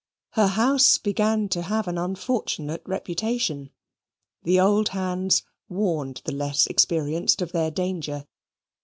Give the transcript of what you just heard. Her house began to have an unfortunate reputation. The old hands warned the less experienced of their danger.